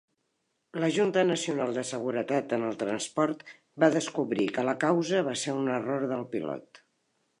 La Junta Nacional de Seguretat en el Transport va descobrir que la causa va ser un error del pilot.